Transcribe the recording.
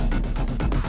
cepetan ke sini bos